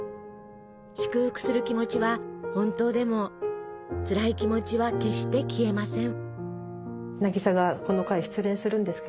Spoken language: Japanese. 祝福する気持ちは本当でもつらい気持ちは決して消えません。